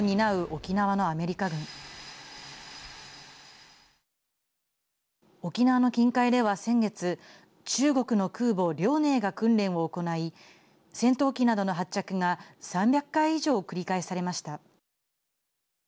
沖縄の近海では先月中国の空母、遼寧が訓練を行い戦闘機などの発着が３００回以上繰り返されました。